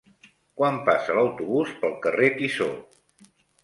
Quan passa l'autobús pel carrer Tissó?